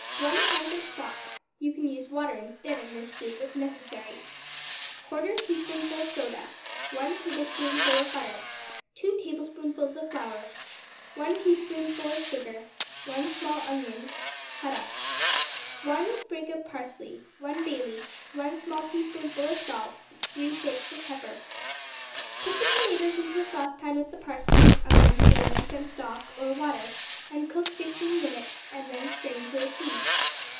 1 pint of stock. (You can use water instead in this soup, if necessary.) 1/4 teaspoonful soda. 1 tablespoonful of butter. 2 tablespoonfuls of flour. 1 teaspoonful of sugar. 1 small onion, cut up. 1 sprig of parsley. 1 bay leaf. 1 small teaspoonful of salt. 3 shakes of pepper. Put the tomatoes into a saucepan with the parsley, onion, bay leaf, and stock, or water, and cook fifteen minutes, and then strain through a sieve.